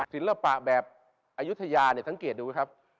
สีระปากแบบอายุทธิญาทั้งเกตดูดิครับ